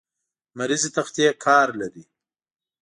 لمریزې تختې کار لري.